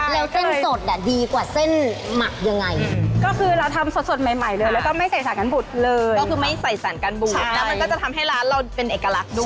แล้วเส้นสดอ่ะดีกว่าเส้นหมักยังไงก็คือเราทำสดใหม่ใหม่เลยแล้วก็ไม่ใส่สารกันบุตรเลยก็คือไม่ใส่สารการบูดแล้วมันก็จะทำให้ร้านเราเป็นเอกลักษณ์ด้วย